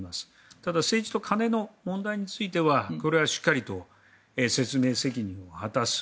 ただ、政治と金の問題についてはこれはしっかりと説明責任を果たす。